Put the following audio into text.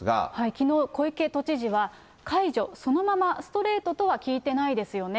きのう、小池都知事は解除、そのままストレートとは聞いてないですよね。